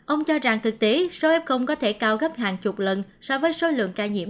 ông cho rằng thực tế số f có thể cao gấp hàng chục lần so với số lượng ca nhiễm